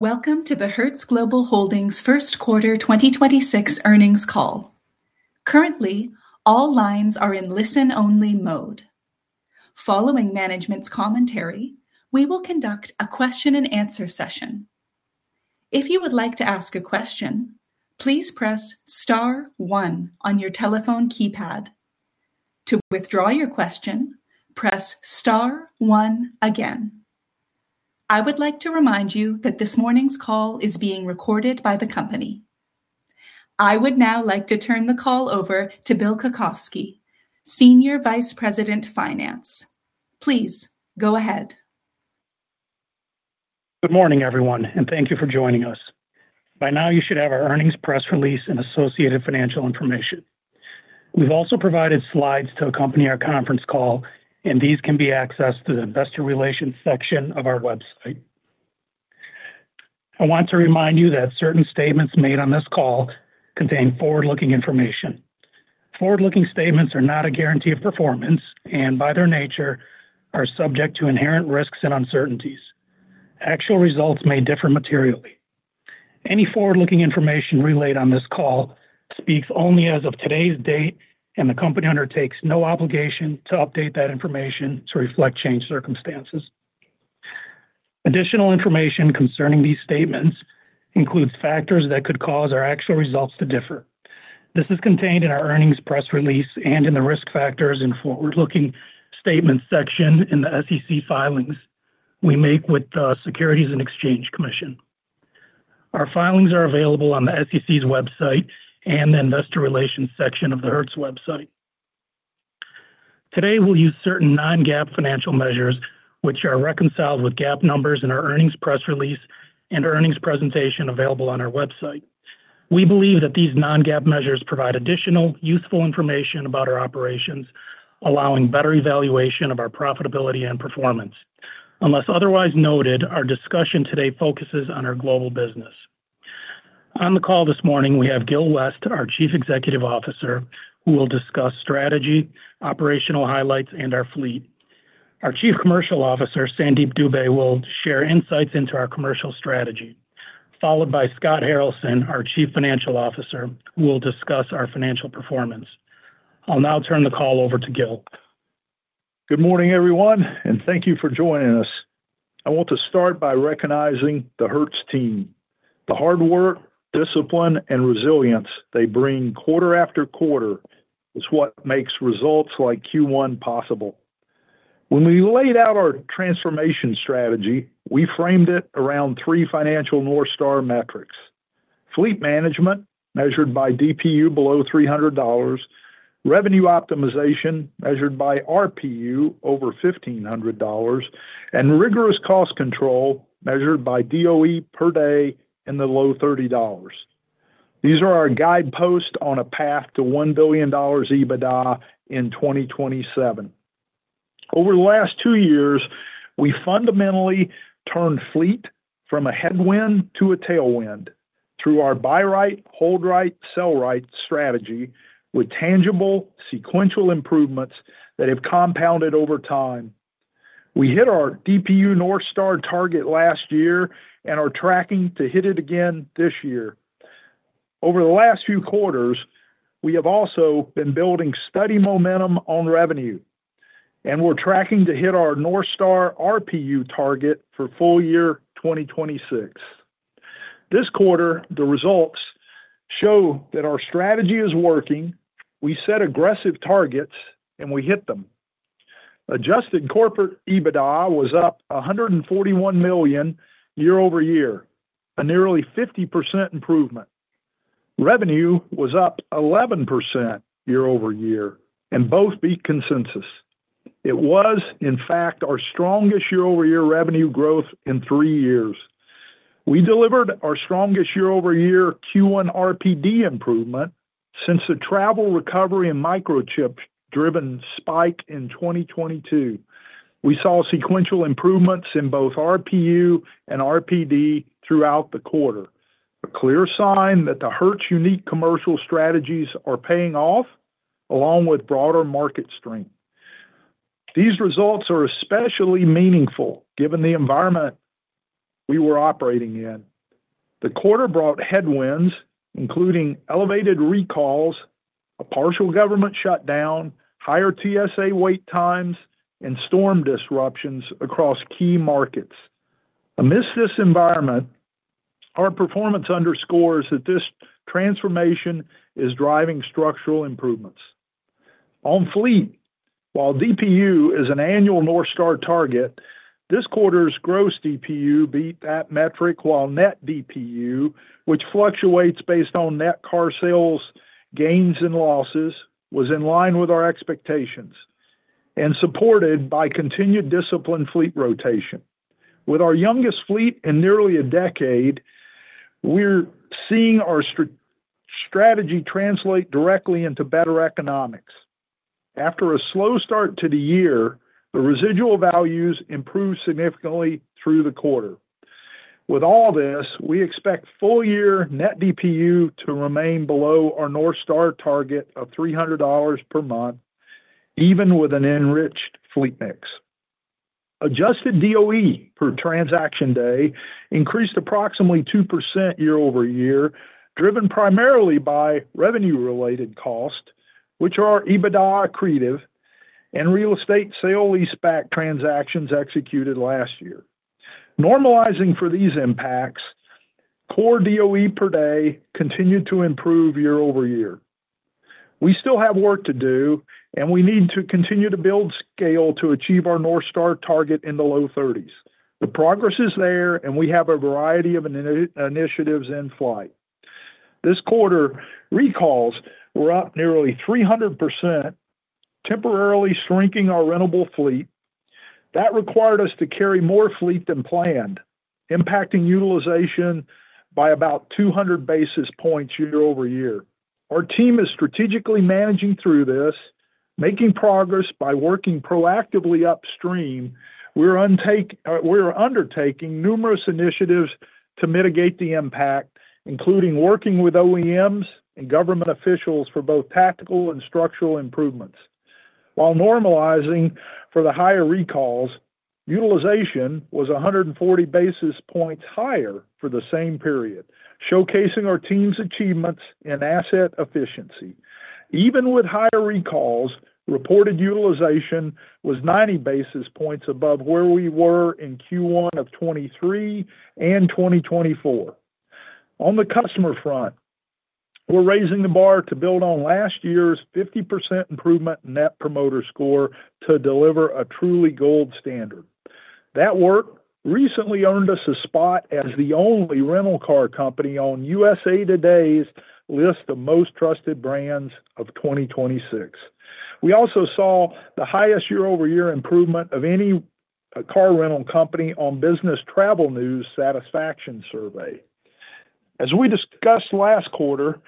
Welcome to the Hertz Global Holdings first quarter 2026 earnings call. Currently, all lines are in listen-only mode. Following management's commentary, we will conduct a question and answer session. If you would like to ask a question, please press star one on your telephone keypad. To withdraw your question, press star one again. I would like to remind you that this morning's call is being recorded by the company. I would now like to turn the call over to Bill Kocovski, Senior Vice President, Finance. Please go ahead. Good morning, everyone, and thank you for joining us. By now, you should have our earnings press release and associated financial information. We've also provided slides to accompany our conference call. These can be accessed through the Investor Relations section of our website. I want to remind you that certain statements made on this call contain forward-looking information. Forward-looking statements are not a guarantee of performance and by their nature are subject to inherent risks and uncertainties. Actual results may differ materially. Any forward-looking information relayed on this call speaks only as of today's date. The company undertakes no obligation to update that information to reflect changed circumstances. Additional information concerning these statements includes factors that could cause our actual results to differ. This is contained in our earnings press release and in the risk factors and forward-looking statements section in the SEC filings we make with the Securities and Exchange Commission. Our filings are available on the SEC's website and the investor relations section of the Hertz website. Today, we'll use certain non-GAAP financial measures, which are reconciled with GAAP numbers in our earnings press release and earnings presentation available on our website. We believe that these non-GAAP measures provide additional useful information about our operations, allowing better evaluation of our profitability and performance. Unless otherwise noted, our discussion today focuses on our global business. On the call this morning, we have Gil West, our Chief Executive Officer, who will discuss strategy, operational highlights, and our fleet. Our Chief Commercial Officer, Sandeep Dube, will share insights into our commercial strategy, followed by Scott Haralson, our Chief Financial Officer, who will discuss our financial performance. I'll now turn the call over to Gil. Good morning, everyone, and thank you for joining us. I want to start by recognizing the Hertz team. The hard work, discipline, and resilience they bring quarter after quarter is what makes results like Q1 possible. When we laid out our transformation strategy, we framed it around three financial North Star metrics. Fleet management, measured by DPU below $300, revenue optimization measured by RPU over $1,500, and rigorous cost control measured by DOE per day in the low $30. These are our guideposts on a path to $1 billion EBITDA in 2027. Over the last two years, we fundamentally turned fleet from a headwind to a tailwind through our buy right, hold right, sell right strategy with tangible, sequential improvements that have compounded over time. We hit our DPU North Star target last year and are tracking to hit it again this year. Over the last few quarters, we have also been building steady momentum on revenue, and we're tracking to hit our North Star RPU target for full year 2026. This quarter, the results show that our strategy is working. We set aggressive targets, and we hit them. Adjusted corporate EBITDA was up $141 million year-over-year, a nearly 50% improvement. Revenue was up 11% year-over-year, and both beat consensus. It was, in fact, our strongest year-over-year revenue growth in three years. We delivered our strongest year-over-year Q1 RPD improvement since the travel recovery and microchip-driven spike in 2022. We saw sequential improvements in both RPU and RPD throughout the quarter, a clear sign that the Hertz unique commercial strategies are paying off along with broader market strength. These results are especially meaningful given the environment we were operating in. The quarter brought headwinds, including elevated recalls, a partial government shutdown, higher TSA wait times, and storm disruptions across key markets. Amidst this environment, our performance underscores that this transformation is driving structural improvements. On fleet, while DPU is an annual North Star target, this quarter's gross DPU beat that metric, while net DPU, which fluctuates based on net car sales gains and losses, was in line with our expectations and supported by continued disciplined fleet rotation. With our youngest fleet in nearly a decade, we're seeing our strategy translate directly into better economics. After a slow start to the year, the residual values improved significantly through the quarter. With all this, we expect full-year net DPU to remain below our North Star target of $300 per month. Even with an enriched fleet mix. Adjusted DOE per transaction day increased approximately 2% year-over-year, driven primarily by revenue-related costs, which are EBITDA accretive and real estate sale leaseback transactions executed last year. Normalizing for these impacts, core DOE per day continued to improve year-over-year. We still have work to do, we need to continue to build scale to achieve our north star target in the low thirties. The progress is there, we have a variety of initiatives in flight. This quarter, recalls were up nearly 300%, temporarily shrinking our rentable fleet. That required us to carry more fleet than planned, impacting utilization by about 200 basis points year-over-year. Our team is strategically managing through this, making progress by working proactively upstream. We are undertaking numerous initiatives to mitigate the impact, including working with OEMs and government officials for both tactical and structural improvements. While normalizing for the higher recalls, utilization was 140 basis points higher for the same period, showcasing our team's achievements in asset efficiency. Even with higher recalls, reported utilization was 90 basis points above where we were in Q1 of 2023 and 2024. On the customer front, we're raising the bar to build on last year's 50% improvement Net Promoter Score to deliver a truly gold standard. That work recently earned us a spot as the only rental car company on USA Today's list of most trusted brands of 2026. We also saw the highest year-over-year improvement of any car rental company on Business Travel News satisfaction survey. As we discussed last quarter,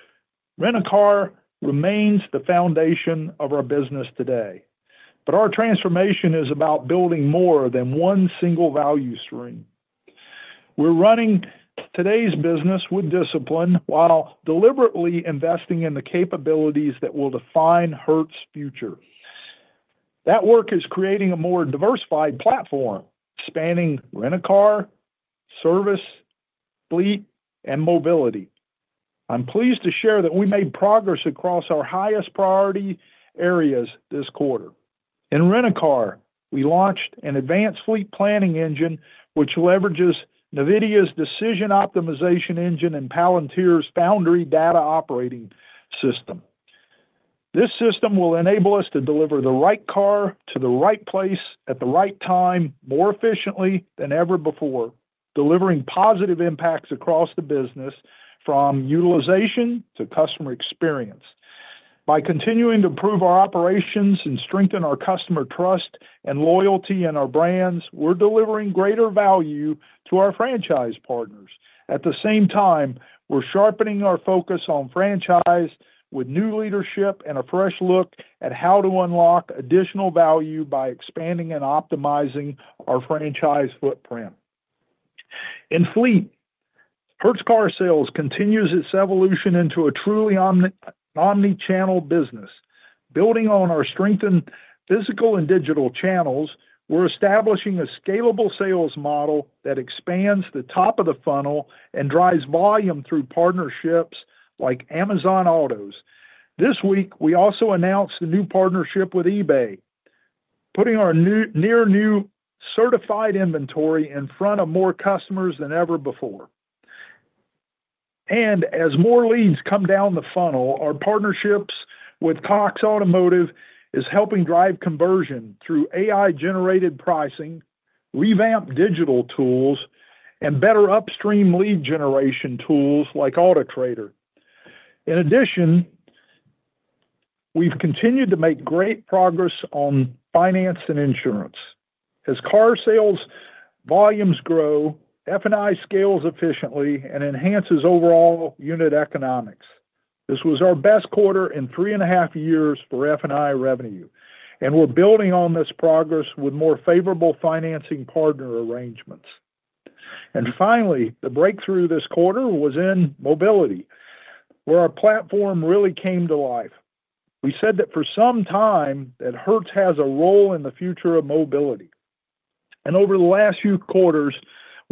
Rent-A-Car remains the foundation of our business today. Our transformation is about building more than one single value stream. We're running today's business with discipline while deliberately investing in the capabilities that will define Hertz future. That work is creating a more diversified platform spanning rent-a-car, service, fleet, and mobility. I'm pleased to share that we made progress across our highest priority areas this quarter. In rent-a-car, we launched an advanced fleet planning engine, which leverages NVIDIA's decision optimization engine and Palantir's Foundry data operating system. This system will enable us to deliver the right car to the right place at the right time, more efficiently than ever before, delivering positive impacts across the business from utilization to customer experience. By continuing to improve our operations and strengthen our customer trust and loyalty in our brands, we're delivering greater value to our franchise partners. At the same time, we're sharpening our focus on franchise with new leadership and a fresh look at how to unlock additional value by expanding and optimizing our franchise footprint. In fleet, Hertz Car Sales continues its evolution into a truly omni-channel business. Building on our strengthened physical and digital channels, we're establishing a scalable sales model that expands the top of the funnel and drives volume through partnerships like Amazon Autos. This week, we also announced a new partnership with eBay, putting our near new certified inventory in front of more customers than ever before. As more leads come down the funnel, our partnerships with Cox Automotive is helping drive conversion through AI-generated pricing, revamped digital tools, and better upstream lead generation tools like Autotrader. In addition, we've continued to make great progress on finance and insurance. As car sales volumes grow, F&I scales efficiently and enhances overall unit economics. This was our best quarter in 3.5 years for F&I revenue, and we're building on this progress with more favorable financing partner arrangements. Finally, the breakthrough this quarter was in mobility, where our platform really came to life. We said that for some time that Hertz has a role in the future of mobility, and over the last few quarters,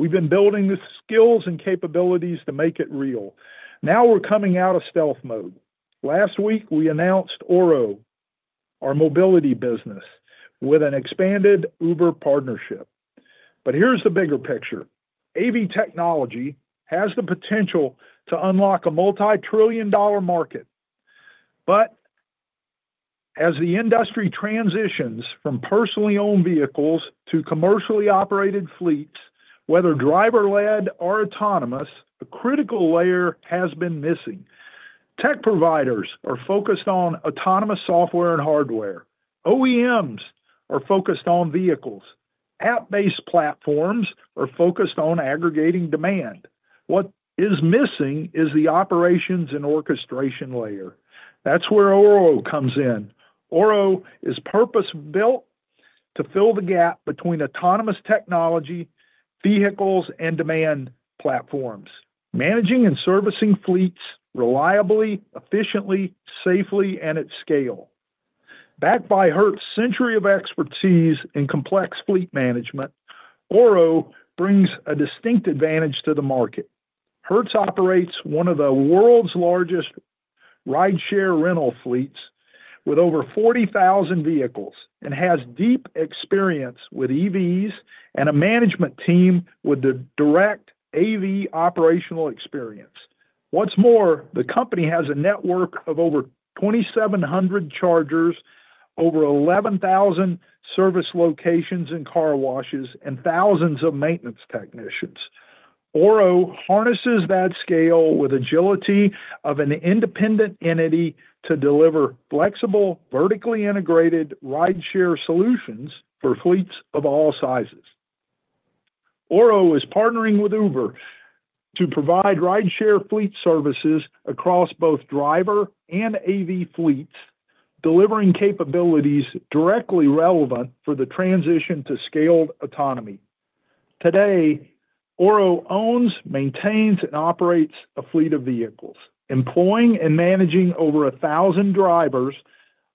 we've been building the skills and capabilities to make it real. Now we're coming out of stealth mode. Last week, we announced Oro, our mobility business, with an expanded Uber partnership. Here's the bigger picture. AV technology has the potential to unlock a multi-trillion-dollar market. As the industry transitions from personally owned vehicles to commercially operated fleets, whether driver-led or autonomous, a critical layer has been missing. Tech providers are focused on autonomous software and hardware. OEMs are focused on vehicles. App-based platforms are focused on aggregating demand. What is missing is the operations and orchestration layer. That's where Oro comes in. Oro is purpose-built to fill the gap between autonomous technology, vehicles, and demand platforms, managing and servicing fleets reliably, efficiently, safely, and at scale. Backed by Hertz century of expertise in complex fleet management, Oro brings a distinct advantage to the market. Hertz operates one of the world's largest rideshare rental fleets with over 40,000 vehicles, and has deep experience with EVs and a management team with the direct AV operational experience. What's more, the company has a network of over 2,700 chargers, over 11,000 service locations and car washes, and thousands of maintenance technicians. Oro harnesses that scale with agility of an independent entity to deliver flexible, vertically integrated rideshare solutions for fleets of all sizes. Oro is partnering with Uber to provide rideshare fleet services across both driver and AV fleets, delivering capabilities directly relevant for the transition to scaled autonomy. Today, Oro owns, maintains, and operates a fleet of vehicles, employing and managing over 1,000 drivers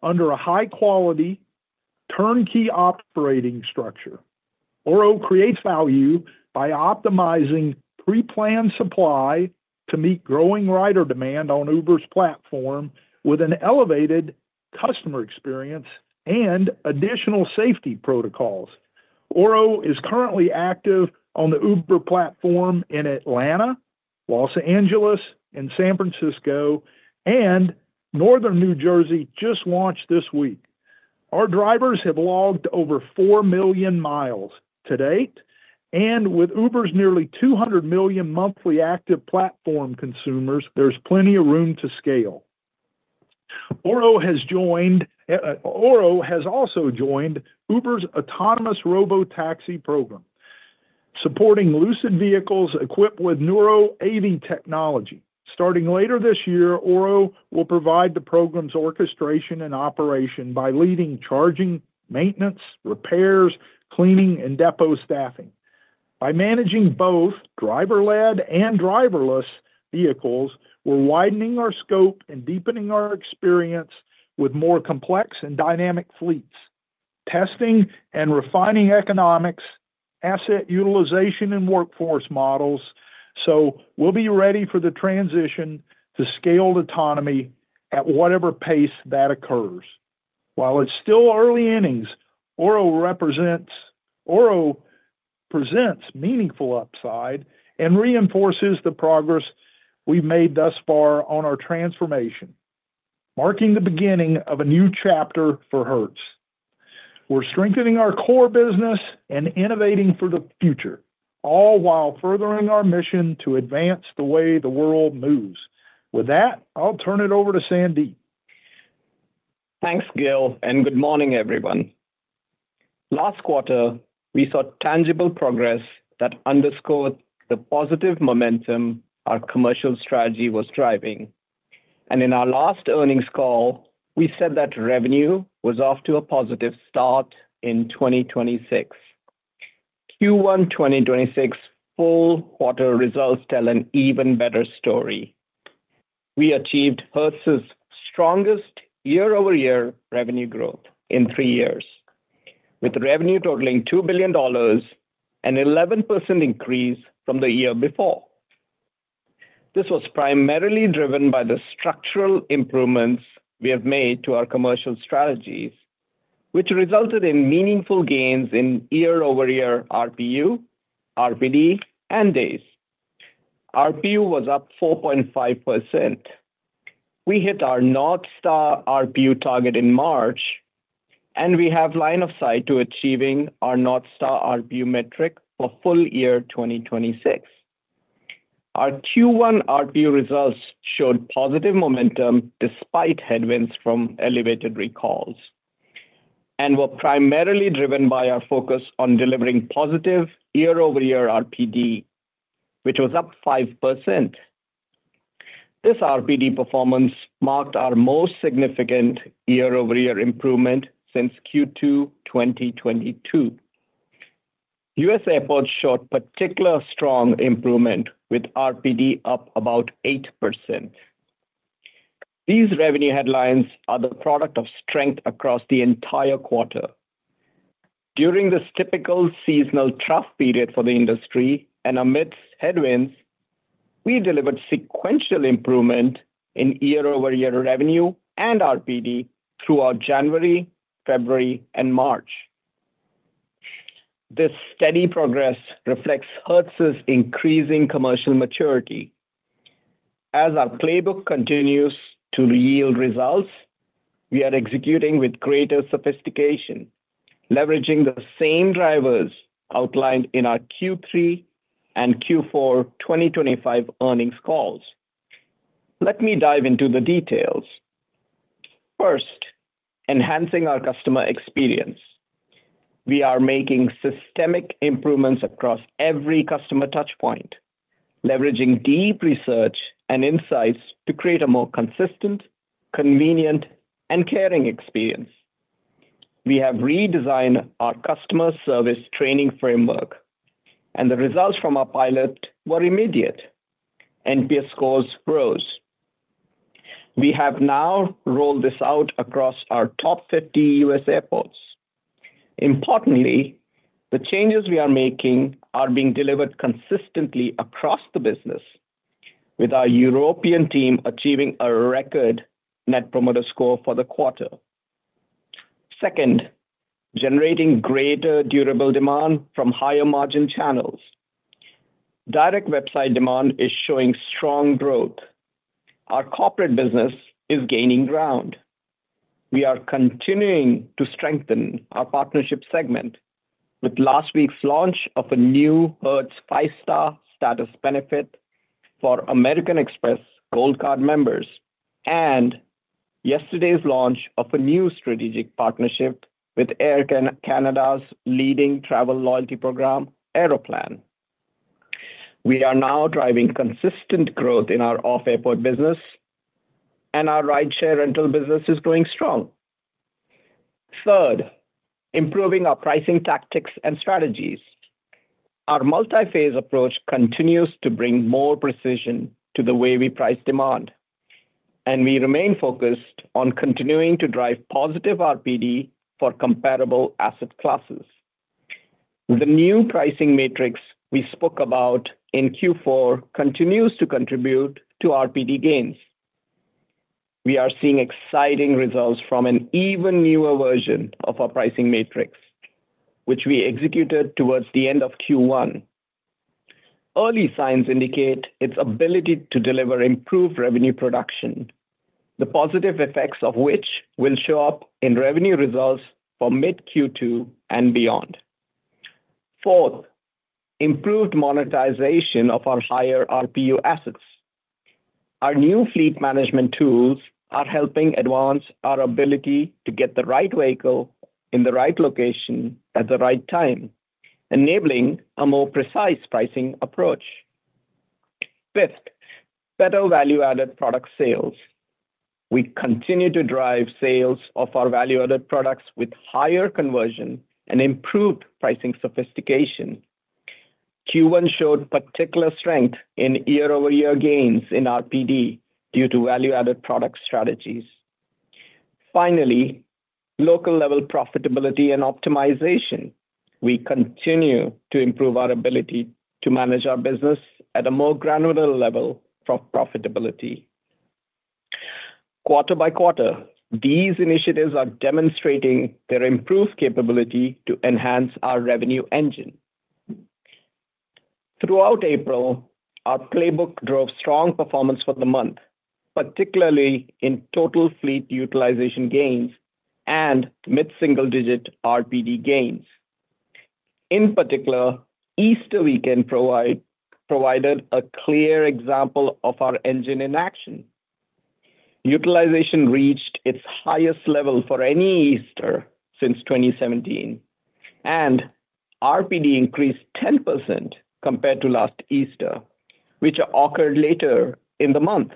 under a high-quality turnkey operating structure. Oro creates value by optimizing pre-planned supply to meet growing rider demand on Uber's platform with an elevated customer experience and additional safety protocols. Oro is currently active on the Uber platform in Atlanta, Los Angeles, and San Francisco, and Northern New Jersey just launched this week. Our drivers have logged over 4 million miles to date, and with Uber's nearly 200 million monthly active platform consumers, there's plenty of room to scale. Oro has also joined Uber's autonomous robotaxi program, supporting Lucid vehicles equipped with Nuro AV technology. Starting later this year, Oro will provide the program's orchestration and operation by leading charging, maintenance, repairs, cleaning, and depot staffing. By managing both driver-led and driverless vehicles, we're widening our scope and deepening our experience with more complex and dynamic fleets, testing and refining economics, asset utilization and workforce models, so we'll be ready for the transition to scaled autonomy at whatever pace that occurs. While it's still early innings, Oro presents meaningful upside and reinforces the progress we've made thus far on our transformation, marking the beginning of a new chapter for Hertz. We're strengthening our core business and innovating for the future, all while furthering our mission to advance the way the world moves. With that, I'll turn it over to Sandeep. Thanks, Gil. Good morning, everyone. Last quarter, we saw tangible progress that underscored the positive momentum our commercial strategy was driving. In our last earnings call, we said that revenue was off to a positive start in 2026. Q1 2026 full-quarter results tell an even better story. We achieved Hertz's strongest year-over-year revenue growth in three years, with revenue totaling $2 billion, an 11% increase from the year before. This was primarily driven by the structural improvements we have made to our commercial strategies, which resulted in meaningful gains in year-over-year RPU, RPD, and days. RPU was up 4.5%. We hit our North Star RPU target in March, and we have line of sight to achieving our North Star RPU metric for full year 2026. Our Q1 RPU results showed positive momentum despite headwinds from elevated recalls, and were primarily driven by our focus on delivering positive year-over-year RPD, which was up 5%. This RPD performance marked our most significant year-over-year improvement since Q2 2022. U.S. airports showed particular strong improvement with RPD up about 8%. These revenue headlines are the product of strength across the entire quarter. During this typical seasonal trough period for the industry and amidst headwinds, we delivered sequential improvement in year-over-year revenue and RPD throughout January, February, and March. This steady progress reflects Hertz's increasing commercial maturity. As our playbook continues to yield results, we are executing with greater sophistication, leveraging the same drivers outlined in our Q3 and Q4 2025 earnings calls. Let me dive into the details. First, enhancing our customer experience. We are making systemic improvements across every customer touch point. Leveraging deep research and insights to create a more consistent, convenient, and caring experience. We have redesigned our customer service training framework, and the results from our pilot were immediate. NPS scores rose. We have now rolled this out across our top 50 U.S. airports. Importantly, the changes we are making are being delivered consistently across the business, with our European team achieving a record net promoter score for the quarter. Second, generating greater durable demand from higher margin channels. Direct website demand is showing strong growth. Our corporate business is gaining ground. We are continuing to strengthen our partnership segment with last week's launch of a new Hertz Five Star status benefit for American Express Gold Card members, and yesterday's launch of a new strategic partnership with Air Canada's leading travel loyalty program, Aeroplan. We are now driving consistent growth in our off-airport business, and our rideshare rental business is going strong. Third, improving our pricing tactics and strategies. Our multi-phase approach continues to bring more precision to the way we price demand. We remain focused on continuing to drive positive RPD for comparable asset classes. The new pricing matrix we spoke about in Q4 continues to contribute to RPD gains. We are seeing exciting results from an even newer version of our pricing matrix, which we executed towards the end of Q1. Early signs indicate its ability to deliver improved revenue production, the positive effects of which will show up in revenue results for mid Q2 and beyond. Fourth, improved monetization of our higher RPU assets. Our new fleet management tools are helping advance our ability to get the right vehicle in the right location at the right time, enabling a more precise pricing approach. Fifth, better value-added product sales. We continue to drive sales of our value-added products with higher conversion and improved pricing sophistication. Q1 showed particular strength in year-over-year gains in RPD due to value-added product strategies. Finally, local level profitability and optimization. We continue to improve our ability to manage our business at a more granular level for profitability. Quarter by quarter, these initiatives are demonstrating their improved capability to enhance our revenue engine. Throughout April, our playbook drove strong performance for the month, particularly in total fleet utilization gains and mid-single-digit RPD gains. In particular, Easter weekend provided a clear example of our engine in action. Utilization reached its highest level for any Easter since 2017, and RPD increased 10% compared to last Easter, which occurred later in the month.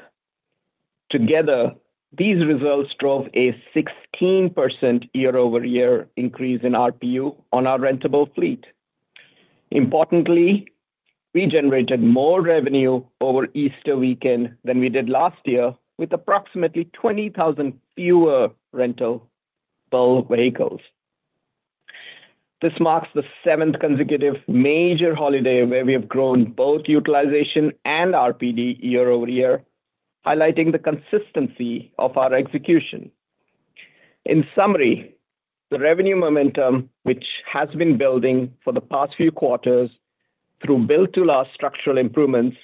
Together, these results drove a 16% year-over-year increase in RPU on our rentable fleet. Importantly, we generated more revenue over Easter weekend than we did last year with approximately 20,000 fewer rentable vehicles. This marks the seventh consecutive major holiday where we have grown both utilization and RPD year-over-year, highlighting the consistency of our execution. In summary, the revenue momentum, which has been building for the past few quarters through Build to Last structural improvements,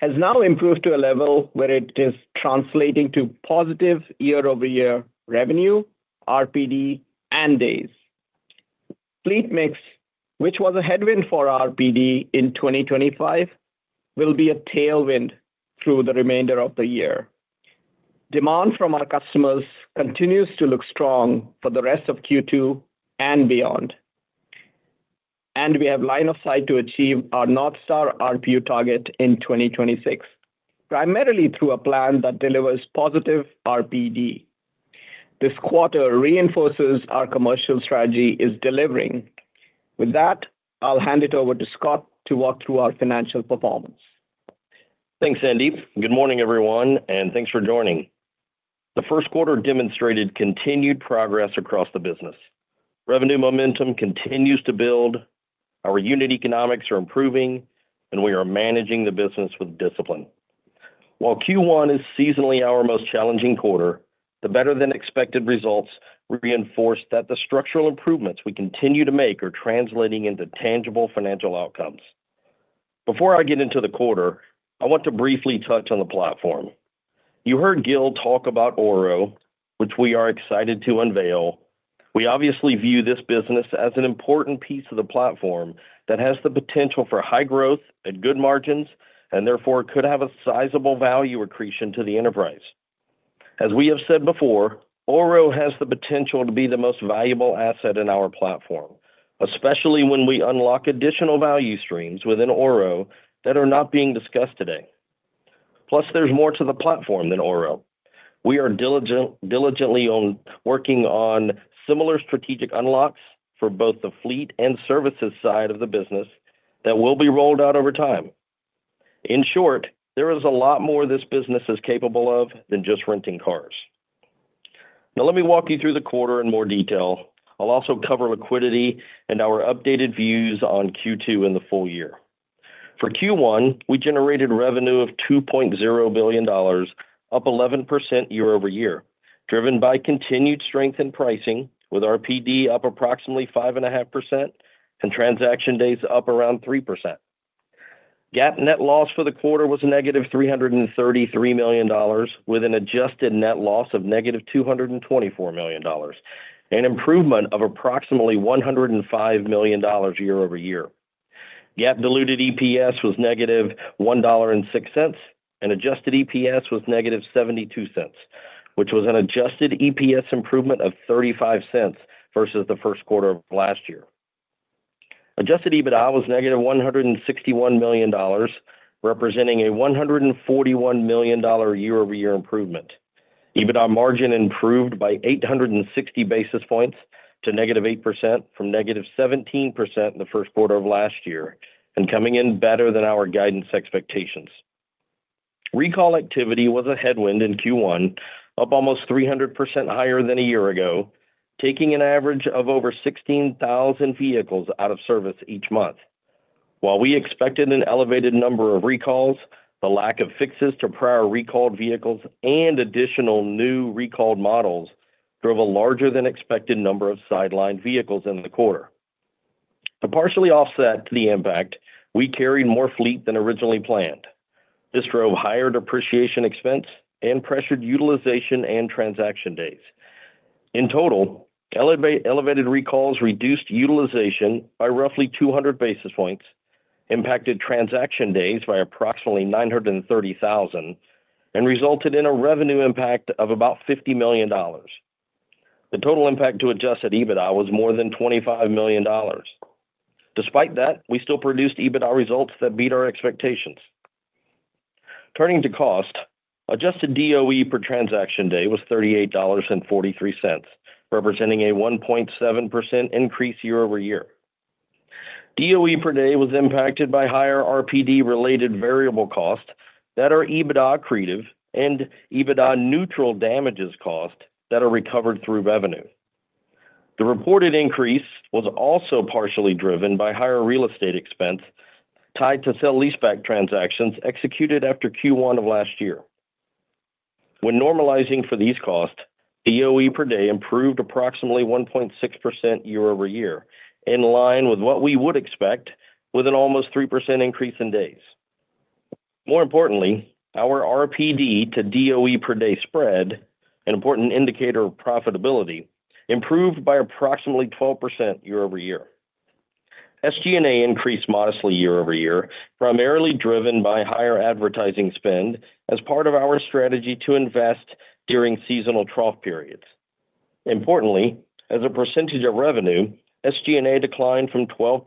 has now improved to a level where it is translating to positive year-over-year revenue, RPD, and days. Fleet mix, which was a headwind for RPD in 2025, will be a tailwind through the remainder of the year. Demand from our customers continues to look strong for the rest of Q2 and beyond. We have line of sight to achieve our North Star RPU target in 2026, primarily through a plan that delivers positive RPD. This quarter reinforces our commercial strategy is delivering. With that, I'll hand it over to Scott to walk through our financial performance. Thanks, Sandeep. Good morning, everyone, and thanks for joining. The first quarter demonstrated continued progress across the business. Revenue momentum continues to build, our unit economics are improving, and we are managing the business with discipline. While Q1 is seasonally our most challenging quarter, the better-than-expected results reinforce that the structural improvements we continue to make are translating into tangible financial outcomes. Before I get into the quarter, I want to briefly touch on the platform. You heard Gil talk about Oro, which we are excited to unveil. We obviously view this business as an important piece of the platform that has the potential for high growth at good margins, and therefore could have a sizable value accretion to the enterprise. As we have said before, Oro has the potential to be the most valuable asset in our platform, especially when we unlock additional value streams within Oro that are not being discussed today. There's more to the platform than Oro. We are diligently working on similar strategic unlocks for both the fleet and services side of the business that will be rolled out over time. There is a lot more this business is capable of than just renting cars. Let me walk you through the quarter in more detail. I'll also cover liquidity and our updated views on Q2 in the full year. For Q1, we generated revenue of $2.0 billion, up 11% year-over-year, driven by continued strength in pricing, with RPD up approximately 5.5% and transaction days up around 3%. GAAP net loss for the quarter was a negative $333 million, with an adjusted net loss of negative $224 million, an improvement of approximately $105 million year-over-year. GAAP diluted EPS was negative $1.06, and adjusted EPS was negative $0.72, which was an adjusted EPS improvement of $0.35 versus the first quarter of last year. Adjusted EBITDA was negative $161 million, representing a $141 million year-over-year improvement. EBITDA margin improved by 860 basis points to -8% from -17% in the first quarter of last year, coming in better than our guidance expectations. Recall activity was a headwind in Q1, up almost 300% higher than a year ago, taking an average of over 16,000 vehicles out of service each month. While we expected an elevated number of recalls, the lack of fixes to prior recalled vehicles and additional new recalled models drove a larger than expected number of sidelined vehicles in the quarter. To partially offset the impact, we carried more fleet than originally planned. This drove higher depreciation expense and pressured utilization and transaction days. In total, elevated recalls reduced utilization by roughly 200 basis points, impacted transaction days by approximately 930,000, and resulted in a revenue impact of about $50 million. The total impact to adjusted EBITDA was more than $25 million. Despite that, we still produced EBITDA results that beat our expectations. Turning to cost, adjusted DOE per transaction day was $38.43, representing a 1.7% increase year-over-year. DOE per day was impacted by higher RPD-related variable costs that are EBITDA accretive and EBITDA neutral damages cost that are recovered through revenue. The reported increase was also partially driven by higher real estate expense tied to sell leaseback transactions executed after Q1 of last year. When normalizing for these costs, DOE per day improved approximately 1.6% year-over-year, in line with what we would expect with an almost 3% increase in days. More importantly, our RPD to DOE per day spread, an important indicator of profitability, improved by approximately 12% year-over-year. SG&A increased modestly year-over-year, primarily driven by higher advertising spend as part of our strategy to invest during seasonal trough periods. Importantly, as a percentage of revenue, SG&A declined from 12%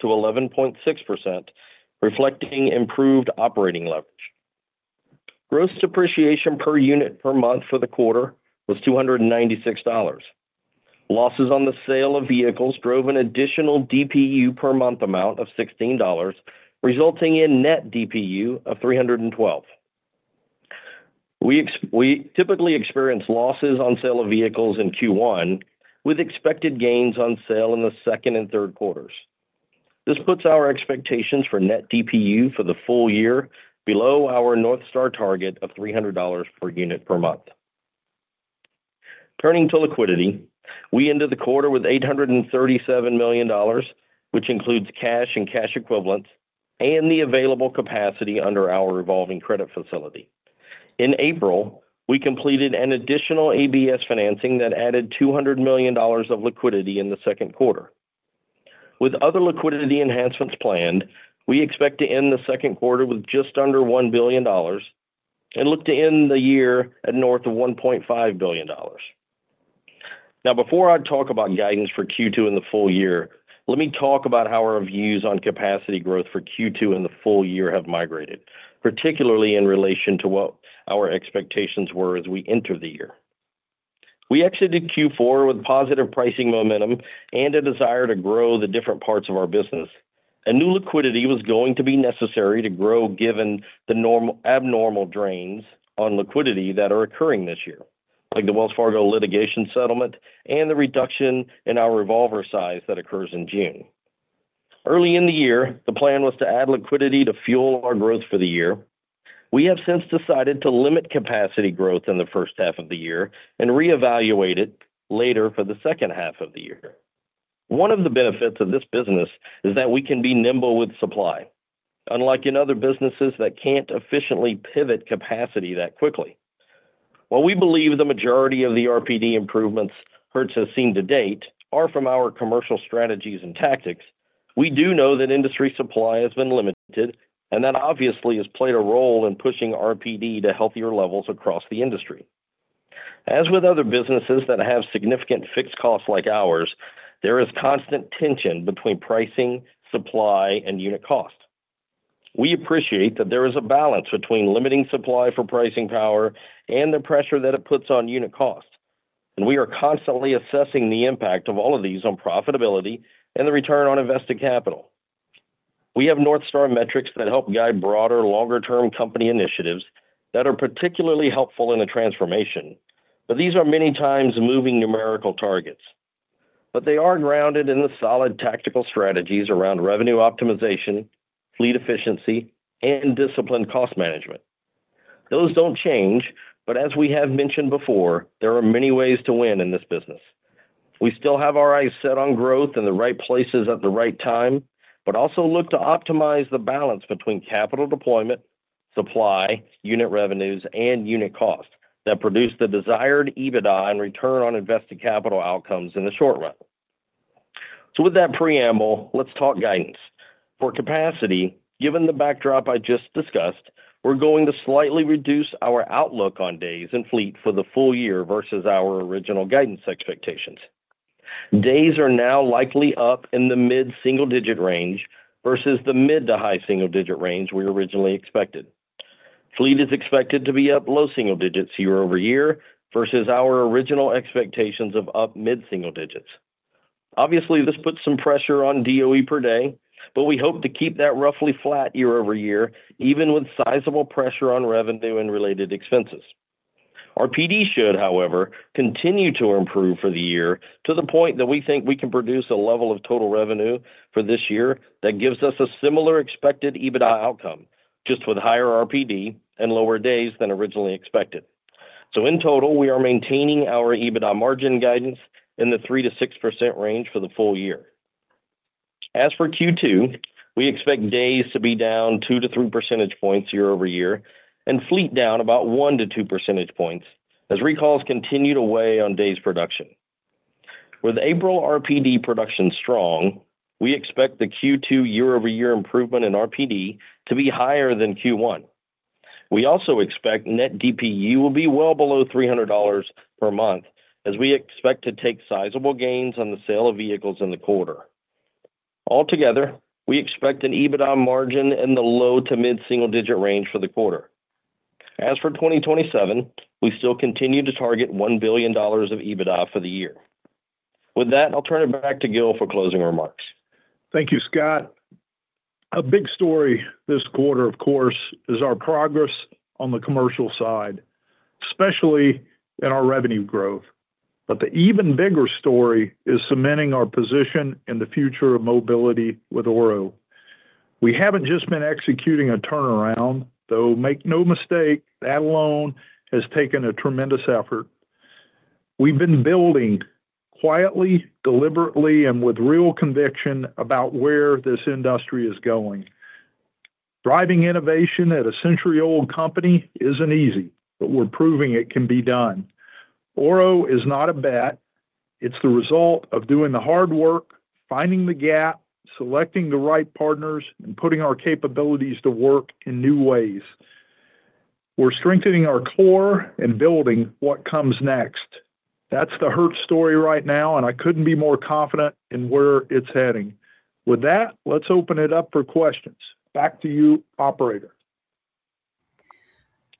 to 11.6%, reflecting improved operating leverage. Gross depreciation per unit per month for the quarter was $296. Losses on the sale of vehicles drove an additional DPU per month amount of $16, resulting in net DPU of $312. We typically experience losses on sale of vehicles in Q1, with expected gains on sale in the second and third quarters. This puts our expectations for net DPU for the full year below our North Star target of $300 per unit per month. Turning to liquidity, we ended the quarter with $837 million, which includes cash and cash equivalents and the available capacity under our revolving credit facility. In April, we completed an additional ABS financing that added $200 million of liquidity in the second quarter. With other liquidity enhancements planned, we expect to end the second quarter with just under $1 billion and look to end the year at north of $1.5 billion. Before I talk about guidance for Q2 and the full year, let me talk about how our views on capacity growth for Q2 and the full year have migrated, particularly in relation to what our expectations were as we enter the year. We exited Q4 with positive pricing momentum and a desire to grow the different parts of our business. A new liquidity was going to be necessary to grow, given the abnormal drains on liquidity that are occurring this year, like the Wells Fargo litigation settlement and the reduction in our revolver size that occurs in June. Early in the year, the plan was to add liquidity to fuel our growth for the year. We have since decided to limit capacity growth in the first half of the year and reevaluate it later for the second half of the year. One of the benefits of this business is that we can be nimble with supply, unlike in other businesses that can't efficiently pivot capacity that quickly. While we believe the majority of the RPD improvements Hertz has seen to date are from our commercial strategies and tactics. We do know that industry supply has been limited, and that obviously has played a role in pushing RPD to healthier levels across the industry. As with other businesses that have significant fixed costs like ours, there is constant tension between pricing, supply, and unit cost. We appreciate that there is a balance between limiting supply for pricing power and the pressure that it puts on unit costs, and we are constantly assessing the impact of all of these on profitability and the return on invested capital. We have North Star metrics that help guide broader, longer-term company initiatives that are particularly helpful in a transformation, but these are many times moving numerical targets. They are grounded in the solid tactical strategies around revenue optimization, fleet efficiency, and disciplined cost management. Those don't change, but as we have mentioned before, there are many ways to win in this business. We still have our eyes set on growth in the right places at the right time, but also look to optimize the balance between capital deployment, supply, unit revenues, and unit costs that produce the desired EBITDA and return on invested capital outcomes in the short run. With that preamble, let's talk guidance. For capacity, given the backdrop I just discussed, we're going to slightly reduce our outlook on days and fleet for the full year versus our original guidance expectations. Days are now likely up in the mid-single-digit range versus the mid-to-high single-digit range we originally expected. Fleet is expected to be up low single digits year-over-year versus our original expectations of up mid-single digits. This puts some pressure on DOE per day, but we hope to keep that roughly flat year-over-year, even with sizable pressure on revenue and related expenses. RPD should, however, continue to improve for the year to the point that we think we can produce a level of total revenue for this year that gives us a similar expected EBITDA outcome, just with higher RPD and lower days than originally expected. In total, we are maintaining our EBITDA margin guidance in the 3%-6% range for the full year. As for Q2, we expect days to be down 2-3 percentage points year-over-year and fleet down about 1-2 percentage points as recalls continue to weigh on days production. With April RPD production strong, we expect the Q2 year-over-year improvement in RPD to be higher than Q1. We also expect net DPU will be well below $300 per month as we expect to take sizable gains on the sale of vehicles in the quarter. Altogether, we expect an EBITDA margin in the low to mid-single-digit range for the quarter. As for 2027, we still continue to target $1 billion of EBITDA for the year. With that, I'll turn it back to Gil for closing remarks. Thank you, Scott. A big story this quarter, of course, is our progress on the commercial side, especially in our revenue growth. The even bigger story is cementing our position in the future of mobility with Oro. We haven't just been executing a turnaround, though make no mistake, that alone has taken a tremendous effort. We've been building quietly, deliberately, and with real conviction about where this industry is going. Driving innovation at a century-old company isn't easy, but we're proving it can be done. Oro is not a bet. It's the result of doing the hard work, finding the gap, selecting the right partners, and putting our capabilities to work in new ways. We're strengthening our core and building what comes next. That's the Hertz story right now, and I couldn't be more confident in where it's heading. With that, let's open it up for questions. Back to you, operator.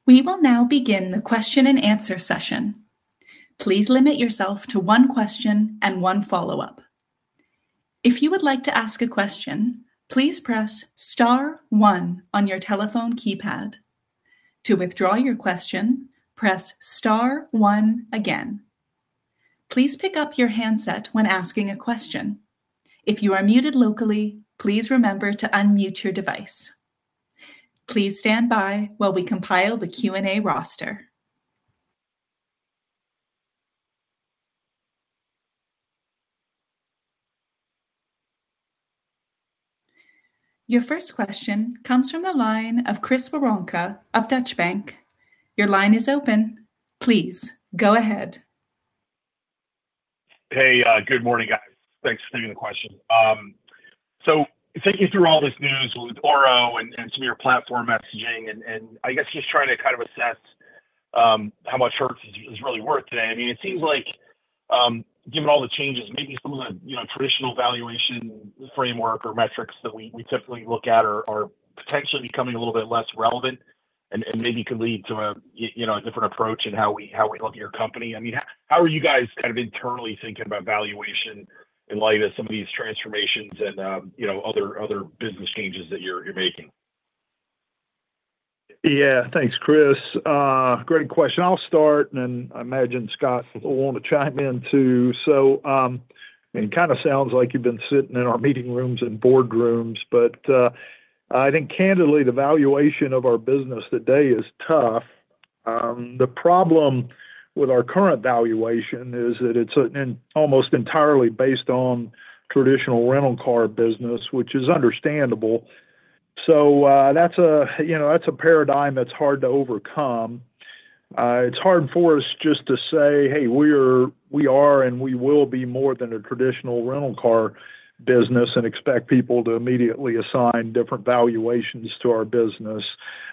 We will now begin the question-and-answer session. Please limit yourself to one question and one follow-up. If you would like to ask a question, please press star one on your telephone keypad. To withdraw your question, press star one again. Please pick up your handset when asking a question. If you are muted locally, please remember to unmute your device. Please stand by while we compile the Q&A roster. Your first question comes from the line of Chris Woronka of Deutsche Bank. Your line is open. Please go ahead. Good morning, guys. Thanks for taking the question. Thinking through all this news with Oro and some of your platform messaging and I guess just trying to kind of assess how much Hertz is really worth today. I mean, it seems like, given all the changes, maybe some of the, you know, traditional valuation framework or metrics that we typically look at are potentially becoming a little bit less relevant and maybe could lead to a, you know, a different approach in how we look at your company. I mean, how are you guys kind of internally thinking about valuation in light of some of these transformations and, you know, other business changes that you're making? Thanks, Chris. Great question. I'll start, and I imagine Scott will want to chime in, too. I mean, it kinda sounds like you've been sitting in our meeting rooms and boardrooms, but I think candidly the valuation of our business today is tough. The problem with our current valuation is that it's an almost entirely based on traditional rental car business, which is understandable. So that's a, you know, that's a paradigm that's hard to overcome. It's hard for us just to say, "Hey, we're, we are, and we will be more than a traditional rental car business," and expect people to immediately assign different valuations to our business.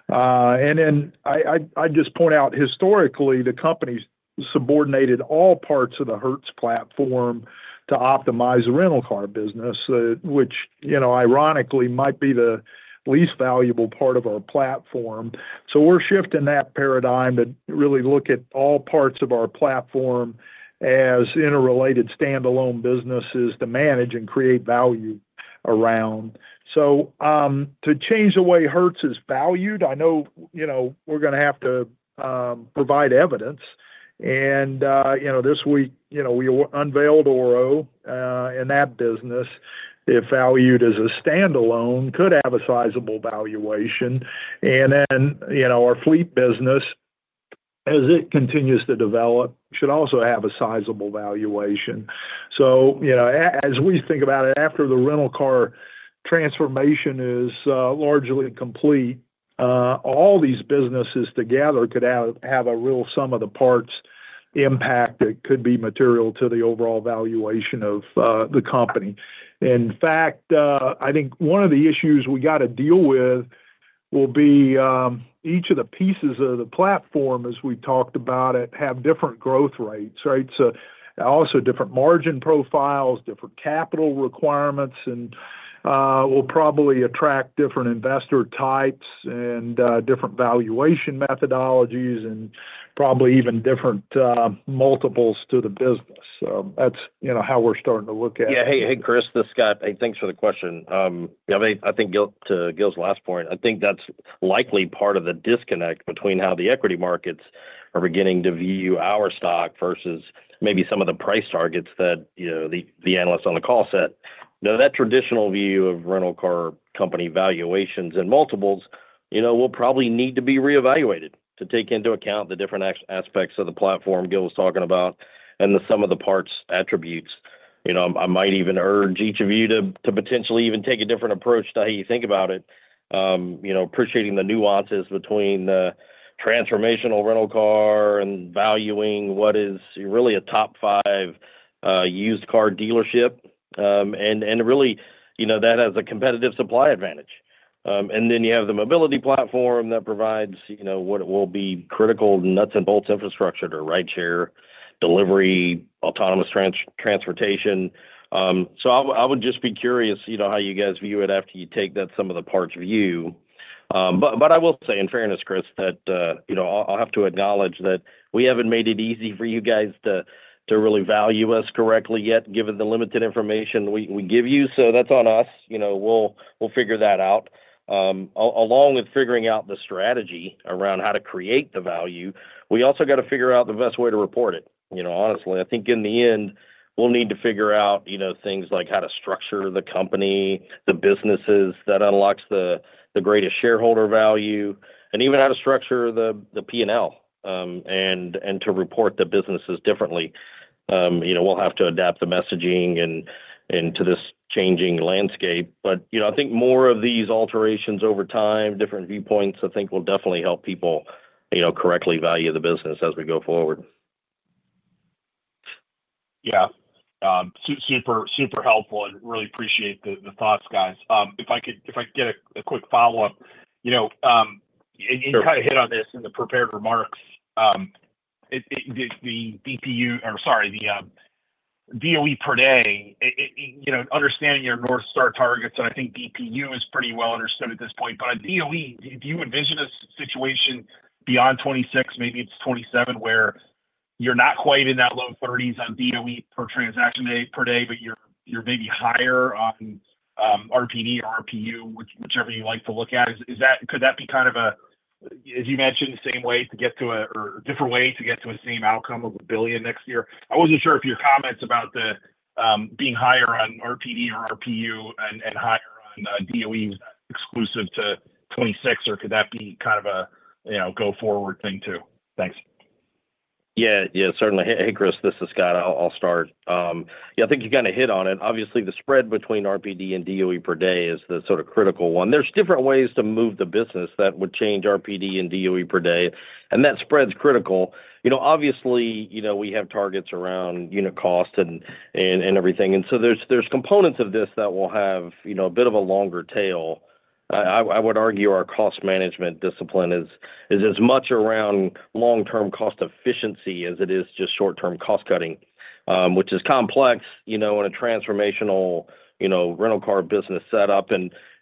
I'd just point out historically, the company subordinated all parts of the Hertz platform to optimize the rental car business, which, you know, ironically might be the least valuable part of our platform. We're shifting that paradigm to really look at all parts of our platform as interrelated standalone businesses to manage and create value around. To change the way Hertz is valued, I know, you know, we're gonna have to provide evidence and, you know, this week, you know, we unveiled Oro, and that business, if valued as a standalone, could have a sizable valuation. Our fleet business, as it continues to develop, should also have a sizable valuation. You know, as we think about it, after the rental car transformation is largely complete, all these businesses together could have a real sum of the parts impact that could be material to the overall valuation of the company. In fact, I think one of the issues we gotta deal with will be, each of the pieces of the platform as we talked about it, have different growth rates, right? Also different margin profiles, different capital requirements, and will probably attract different investor types and different valuation methodologies and probably even different multiples to the business. That's, you know, how we're starting to look at it. Yeah. Hey, hey, Chris, this is Scott. Hey, thanks for the question. Yeah, I think Gil, to Gil's last point, I think that's likely part of the disconnect between how the equity markets are beginning to view our stock versus maybe some of the price targets that, you know, the analysts on the call set. You know, that traditional view of rental car company valuations and multiples, you know, will probably need to be reevaluated to take into account the different aspects of the platform Gil was talking about and the sum of the parts attributes. You know, I might even urge each of you to potentially even take a different approach to how you think about it. You know, appreciating the nuances between the transformational rental car and valuing what is really a top five used car dealership. Really, you know, that has a competitive supply advantage. You have the mobility platform that provides, you know, what will be critical nuts and bolts infrastructure to rideshare, delivery, autonomous transportation. I would just be curious, you know, how you guys view it after you take that sum of the parts view. I will say in fairness, Chris, that, you know, I'll have to acknowledge that we haven't made it easy for you guys to really value us correctly yet, given the limited information we give you. That's on us. You know, we'll figure that out. Along with figuring out the strategy around how to create the value, we also got to figure out the best way to report it. You know, honestly, I think in the end, we'll need to figure out, you know, things like how to structure the company, the businesses that unlocks the greatest shareholder value, and even how to structure the P&L, and to report the businesses differently. You know, we'll have to adapt the messaging and to this changing landscape. You know, I think more of these alterations over time, different viewpoints, I think will definitely help people, you know, correctly value the business as we go forward. Yeah. Super helpful and really appreciate the thoughts, guys. If I could get a quick follow-up. You know. You kind of hit on this in the prepared remarks. DPU or sorry, the DOE per day, understanding your North Star targets, and I think DPU is pretty well understood at this point. DOE, do you envision a situation beyond 26, maybe it's 27, where you're not quite in that low 30s on DOE per transaction day, per day, but you're maybe higher on RPD or RPU, whichever you like to look at? Could that be kind of a, as you mentioned, same way to get to a or different way to get to a same outcome of $1 billion next year? I wasn't sure if your comments about the being higher on RPD or RPU and higher on DOE exclusive to 26, or could that be kind of a, you know, go forward thing too? Thanks. Yeah, yeah. Certainly. Hey, Chris, this is Scott. I'll start. Yeah, I think you kinda hit on it. Obviously, the spread between RPD and DOE per day is the sort of critical one. There's different ways to move the business that would change RPD and DOE per day, and that spread's critical. You know, obviously, you know, we have targets around unit cost and everything. There's, there's components of this that will have, you know, a bit of a longer tail. I would argue our cost management discipline is as much around long-term cost efficiency as it is just short-term cost cutting, which is complex, you know, in a transformational, you know, rental car business set up.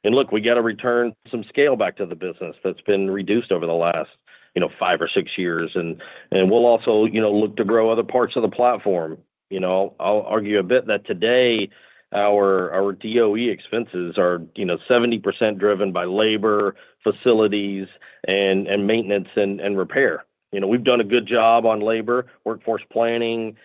Look, we got to return some scale back to the business that's been reduced over the last, you know, five or six years. We'll also, you know, look to grow other parts of the platform. You know, I'll argue a bit that today our DOE expenses are, you know, 70% driven by labor, facilities, and maintenance and repair. You know, we've done a good job on labor, workforce planning.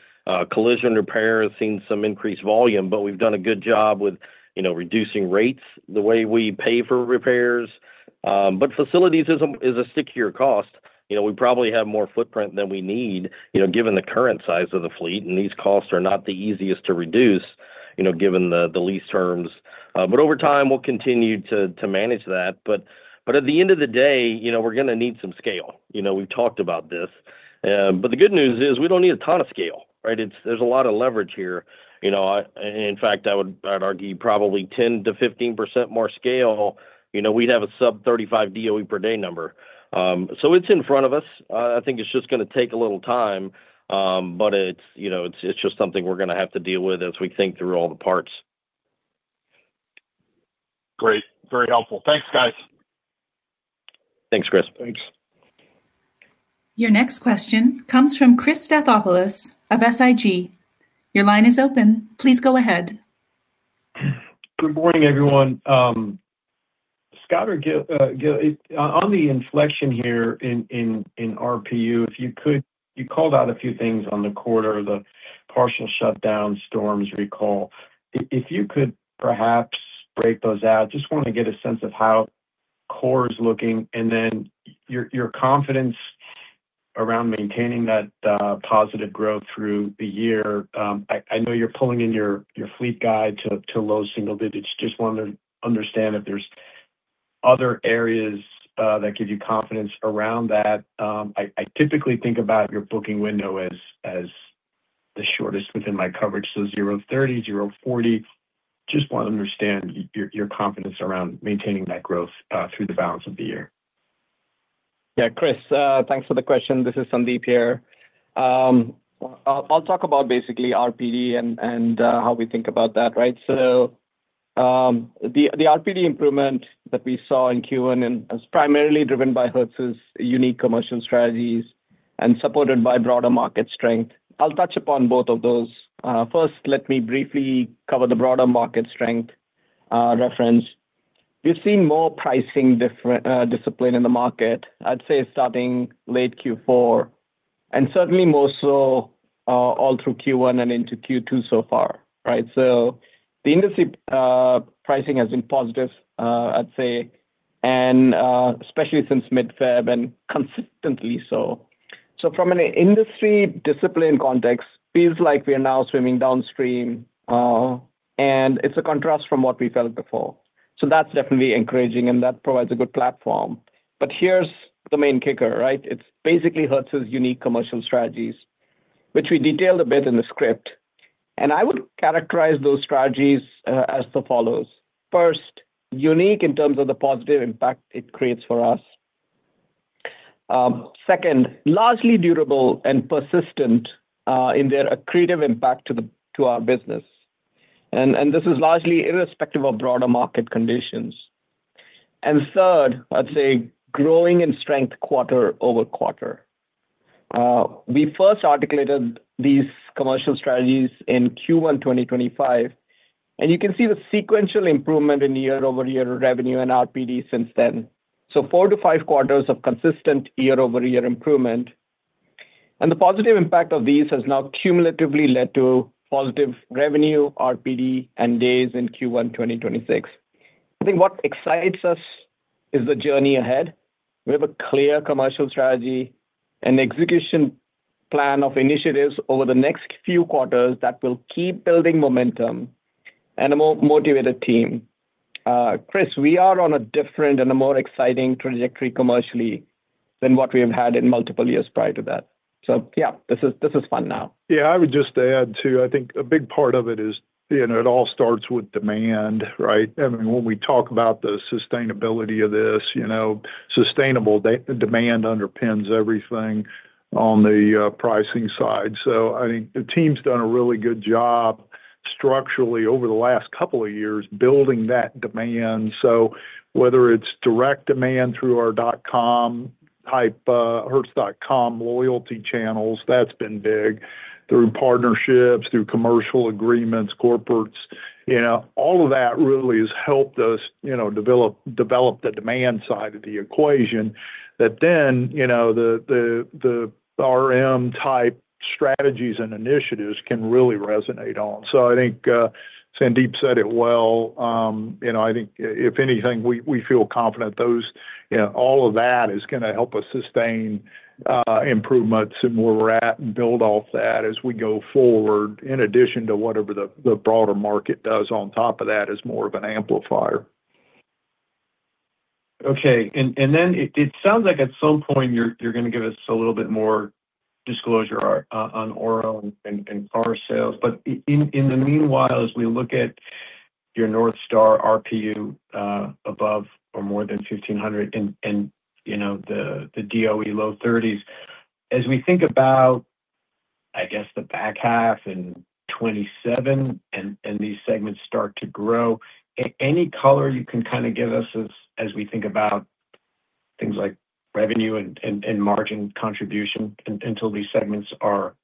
Collision repair has seen some increased volume, but we've done a good job with, you know, reducing rates, the way we pay for repairs. Facilities is a stickier cost. You know, we probably have more footprint than we need, you know, given the current size of the fleet. These costs are not the easiest to reduce, you know, given the lease terms. Over time, we'll continue to manage that. At the end of the day, you know, we're gonna need some scale. You know, we've talked about this. The good news is we don't need a ton of scale, right? There's a lot of leverage here. You know, in fact, I'd argue probably 10%-15% more scale, you know, we'd have a sub 35 DOE per day number. It's in front of us. I think it's just gonna take a little time, but it's, you know, it's just something we're gonna have to deal with as we think through all the parts. Great. Very helpful. Thanks, guys. Thanks, Chris. Thanks. Your next question comes from Christopher Stathopoulos of SIG. Your line is open. Please go ahead. Good morning, everyone. Scott or Gil, on the inflection here in RPU, if you could. You called out a few things on the quarter, the partial shutdown, storms recall. If you could perhaps break those out, just want to get a sense of how core is looking, and then your confidence around maintaining that positive growth through the year. I know you're pulling in your fleet guide to low single digits. Just want to understand if there's other areas that give you confidence around that. I typically think about your booking window as the shortest within my coverage, so 0-30, 0-40. Just want to understand your confidence around maintaining that growth through the balance of the year. Yeah, Chris, thanks for the question. This is Sandeep here. I'll talk about basically RPD and how we think about that. The RPD improvement that we saw in Q1 was primarily driven by Hertz's unique commercial strategies and supported by broader market strength. I'll touch upon both of those. First, let me briefly cover the broader market strength reference. We've seen more pricing discipline in the market, I'd say starting late Q4, and certainly more so all through Q1 and into Q2 so far. The industry pricing has been positive, I'd say, and especially since mid-Feb and consistently so. From an industry discipline context, feels like we are now swimming downstream, and it's a contrast from what we felt before. That's definitely encouraging, that provides a good platform. Here's the main kicker, right? It's basically Hertz's unique commercial strategies, which we detailed a bit in the script. I would characterize those strategies as the follows. First, unique in terms of the positive impact it creates for us. Second, largely durable and persistent in their accretive impact to our business. This is largely irrespective of broader market conditions. Third, I'd say growing in strength quarter-over-quarter. We first articulated these commercial strategies in Q1 2025, you can see the sequential improvement in year-over-year revenue and RPD since then. four to five quarters of consistent year-over-year improvement. The positive impact of these has now cumulatively led to positive revenue, RPD, and days in Q1 2026. I think what excites us is the journey ahead. We have a clear commercial strategy, an execution plan of initiatives over the next few quarters that will keep building momentum and a motivated team. Chris, we are on a different and a more exciting trajectory commercially than what we have had in multiple years prior to that. Yeah, this is fun now. Yeah. I would just add too, I think a big part of it is, you know, it all starts with demand, right? I mean, when we talk about the sustainability of this, you know, sustainable demand underpins everything on the pricing side. I think the team's done a really good job structurally over the last couple of years building that demand. Whether it's direct demand through our dot com type, hertz.com loyalty channels, that's been big, through partnerships, through commercial agreements, corporates. You know, all of that really has helped us, you know, develop the demand side of the equation that, you know, the, the RM type strategies and initiatives can really resonate on. I think Sandeep said it well. You know, I think if anything, we feel confident those, you know, all of that is gonna help us sustain improvements in where we're at and build off that as we go forward, in addition to whatever the broader market does on top of that as more of an amplifier. Okay. Then it sounds like at some point you're gonna give us a little bit more disclosure on Oro and car sales. In the meanwhile, as we look at your Northstar RPU, above or more than $1,500 and, you know, the DOE low 30s, as we think about, I guess, the back half and 2027 and these segments start to grow, any color you can kinda give us as we think about things like revenue and margin contribution until these segments are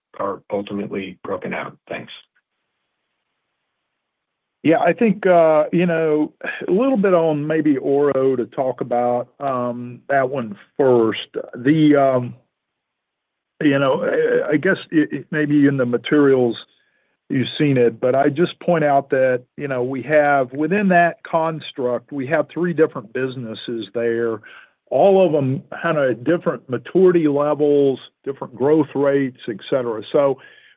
ultimately broken out. Thanks. Yeah. I think, you know, a little bit on maybe Oro to talk about that one first. I guess it may be in the materials you've seen it, but I'd just point out that, you know, within that construct, we have three different businesses there, all of them kind of different maturity levels, different growth rates, et cetera.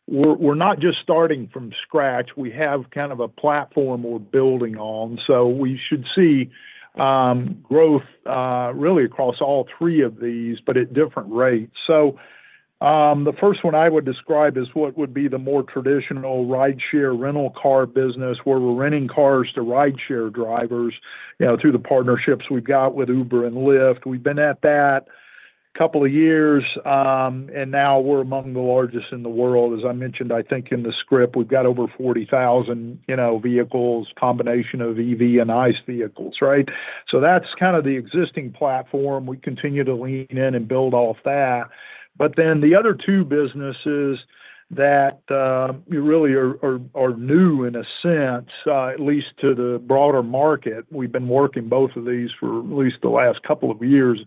We're not just starting from scratch. We have kind of a platform we're building on. We should see growth really across all three of these, but at different rates. The first one I would describe is what would be the more traditional rideshare rental car business, where we're renting cars to rideshare drivers, you know, through the partnerships we've got with Uber and Lyft. We've been at that a two years. Now we're among the largest in the world. As I mentioned, I think, in the script, we've got over 40,000, you know, vehicles, combination of EV and ICE vehicles, right? That's kind of the existing platform. We continue to lean in and build off that. The other two businesses that really are new in a sense, at least to the broader market. We've been working both of these for at least the last two years.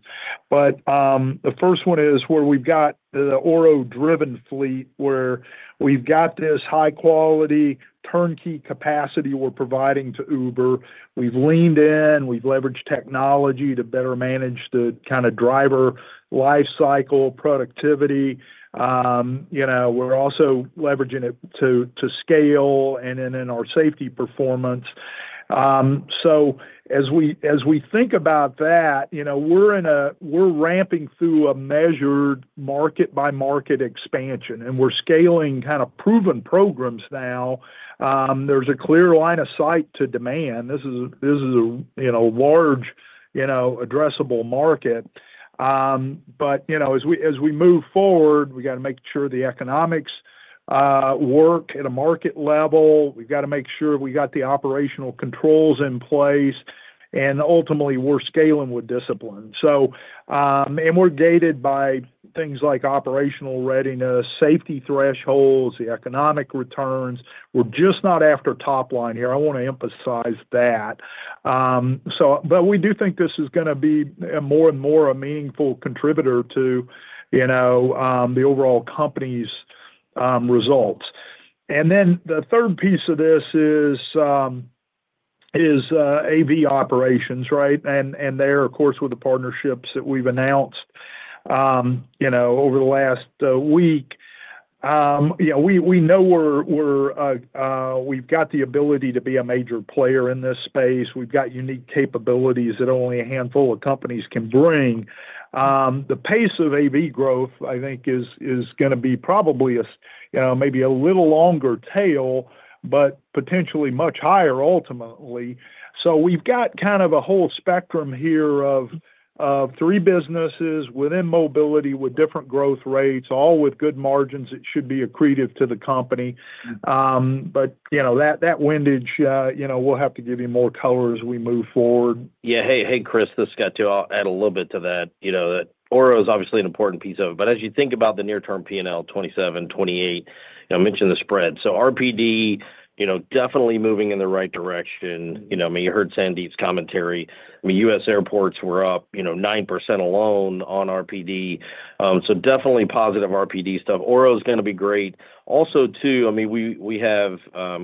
The 1st one is where we've got the Oro driven fleet, where we've got this high-quality turnkey capacity we're providing to Uber. We've leaned in, we've leveraged technology to better manage the kind of driver life cycle productivity. You know, we're also leveraging it to scale in our safety performance. As we, as we think about that, you know, we're ramping through a measured market-by-market expansion, and we're scaling kind of proven programs now. There's a clear line of sight to demand. This is a, you know, large, you know, addressable market. You know, as we, as we move forward, we got to make sure the economics work at a market level. We've got to make sure we got the operational controls in place, and ultimately, we're scaling with discipline. We're gated by things like operational readiness, safety thresholds, the economic returns. We're just not after top line here. I want to emphasize that. We do think this is gonna be more and more a meaningful contributor to, you know, the overall company's results. Then the third piece of this is AV operations, right? There, of course, with the partnerships that we've announced, you know, over the last week. You know, we know we've got the ability to be a major player in this space. We've got unique capabilities that only a handful of companies can bring. The pace of AV growth, I think, is gonna be probably a, you know, maybe a little longer tail, but potentially much higher ultimately. We've got kind of a whole spectrum here of three businesses within mobility with different growth rates, all with good margins that should be accretive to the company. You know, that windage, you know, we'll have to give you more color as we move forward. Yeah. Hey, hey, Chris. This is Scott, too. I'll add a little bit to that. You know, that Oro is obviously an important piece of it. As you think about the near-term P&L 2027, 2028, you know, mention the spread. RPD, you know, definitely moving in the right direction. You know, I mean, you heard Sandeep's commentary. I mean, U.S. airports were up, you know, 9% alone on RPD. Definitely positive RPD stuff. Oro is gonna be great. Also too, I mean, we have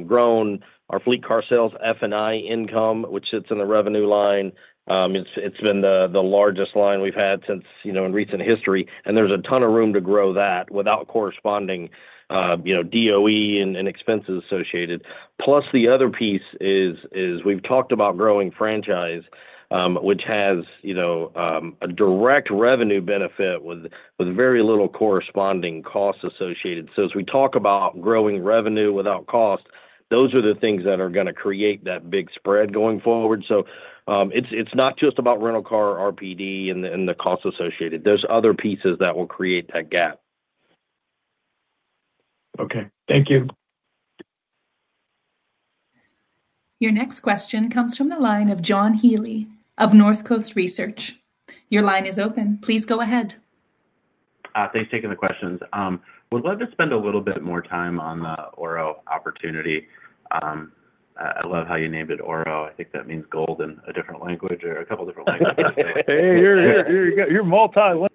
grown our fleet car sales F&I income, which sits in the revenue line. It's been the largest line we've had since, you know, in recent history, and there's a ton of room to grow that without corresponding, you know, DOE and expenses associated. Plus, the other piece is, we've talked about growing franchise, which has, you know, a direct revenue benefit with very little corresponding costs associated. As we talk about growing revenue without cost, those are the things that are gonna create that big spread going forward. It's not just about rental car RPD and the costs associated. There's other pieces that will create that gap. Okay. Thank you. Your next question comes from the line of John Healy of Northcoast Research. Your line is open. Please go ahead. Thanks for taking the questions. I love how you named it Oro. I think that means gold in a different language or a couple different languages. Hey, you're multilingual.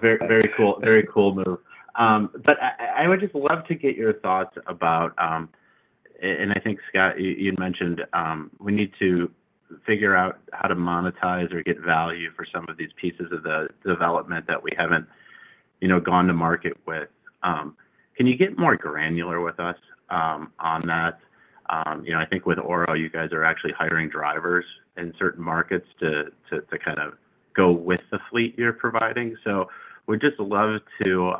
Very, very cool. Very cool move. I would just love to get your thoughts about. I think, Scott, you'd mentioned, we need to figure out how to monetize or get value for some of these pieces of the development that we haven't, you know, gone to market with. Can you get more granular with us on that? You know, I think with Oro, you guys are actually hiring drivers in certain markets to kind of go with the fleet you're providing. Would just love to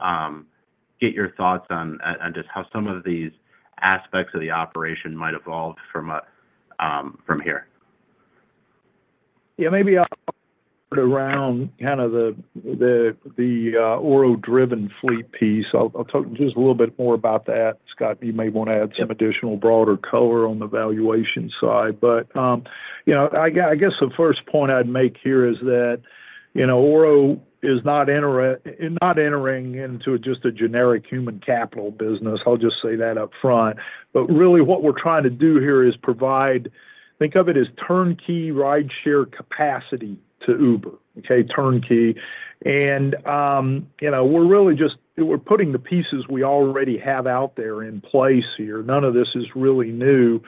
get your thoughts on just how some of these aspects of the operation might evolve from here. Yeah, maybe I'll start around kind of the Oro driven fleet piece. I'll talk just a little bit more about that. Scott, you may want to add some additional broader color on the valuation side. You know, I guess the first point I'd make here is that. You know, Oro is not entering into just a generic human capital business, I'll just say that up front. Really what we're trying to do here is provide think of it as turnkey rideshare capacity to Uber. Okay, turnkey. You know, we're really just putting the pieces we already have out there in place here. None of this is really new.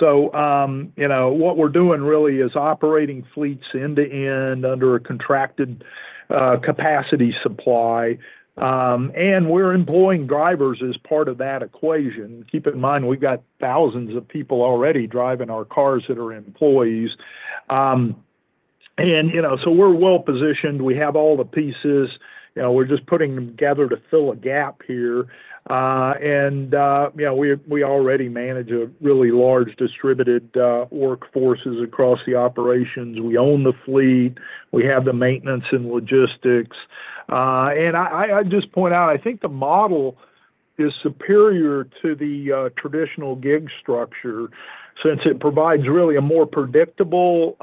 You know, what we're doing really is operating fleets end-to-end under a contracted capacity supply, and we're employing drivers as part of that equation. Keep in mind, we've got thousands of people already driving our cars that are employees. You know, we're well-positioned, we have all the pieces. You know, we're just putting them together to fill a gap here. You know, we already manage a really large distributed workforces across the operations. We own the fleet, we have the maintenance and logistics. I just point out, I think the model is superior to the traditional gig structure, since it provides really a more predictable,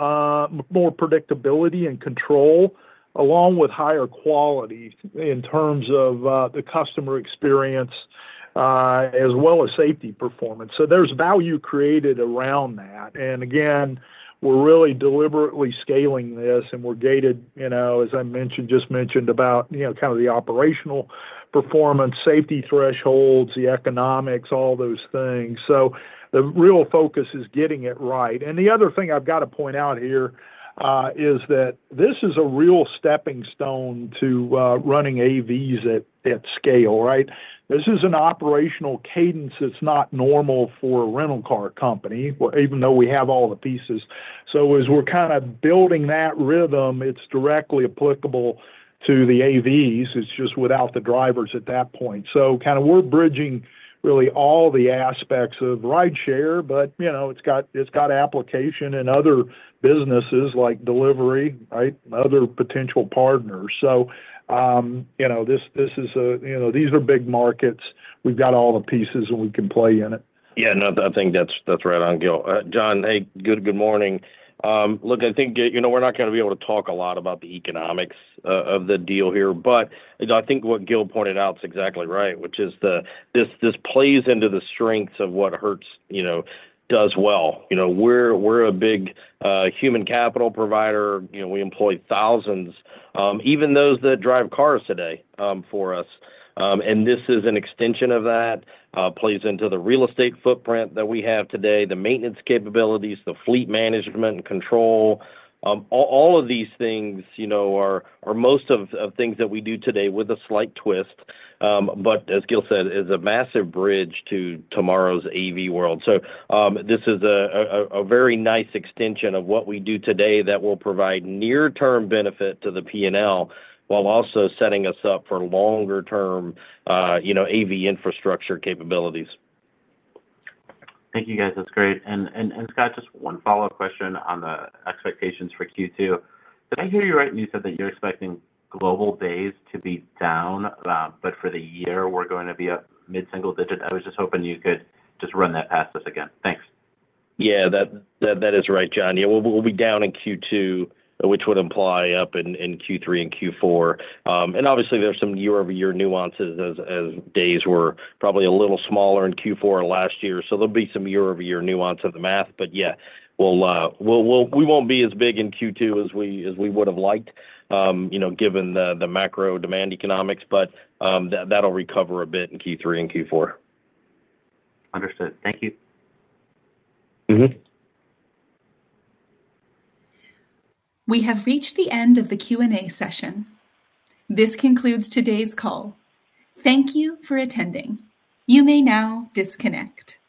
more predictability and control, along with higher quality in terms of the customer experience, as well as safety performance. There's value created around that. Again, we're really deliberately scaling this and we're gated, you know, as I mentioned, just mentioned about, you know, kind of the operational performance, safety thresholds, the economics, all those things. The real focus is getting it right. The other thing I've got to point out here is that this is a real stepping stone to running AVs at scale, right? This is an operational cadence that's not normal for a rental car company, well, even though we have all the pieces. As we're kind of building that rhythm, it's directly applicable to the AVs, it's just without the drivers at that point. Kind of we're bridging really all the aspects of rideshare, but, you know, it's got application in other businesses like delivery, right? Other potential partners. You know, this is a, you know, these are big markets. We've got all the pieces and we can play in it. Yeah, no, I think that's right on, Gil. John, hey, good morning. Look, I think, you know, we're not gonna be able to talk a lot about the economics of the deal here, but I think what Gil pointed out is exactly right, which is this plays into the strengths of what Hertz, you know, does well. You know, we're a big human capital provider. You know, we employ thousands, even those that drive cars today, for us. This is an extension of that, plays into the real estate footprint that we have today, the maintenance capabilities, the fleet management and control. All of these things, you know, are most of things that we do today with a slight twist. As Gil said, is a massive bridge to tomorrow's AV world. This is a very nice extension of what we do today that will provide near-term benefit to the P&L while also setting us up for longer term, you know, AV infrastructure capabilities. Thank you, guys. That's great. Scott, just one follow-up question on the expectations for Q2. Did I hear you right when you said that you're expecting global days to be down, but for the year we're going to be up mid-single digit? I was just hoping you could just run that past us again. Thanks. That is right, John. We'll be down in Q2, which would imply up in Q3 and Q4. Obviously there's some year-over-year nuances as days were probably a little smaller in Q4 of last year. There'll be some year-over-year nuance of the math, but we won't be as big in Q2 as we would have liked, you know, given the macro demand economics, but that'll recover a bit in Q3 and Q4. Understood. Thank you. We have reached the end of the Q&A session. This concludes today's call. Thank you for attending. You may now disconnect.